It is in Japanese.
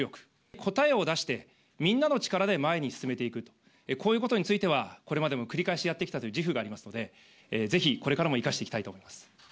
答えを出して、みんなの力で前に進めていく、こういうことについては、これまでも繰り返しやってきたという自負がありますので、ぜひ、これからも生かしていきたいと思います。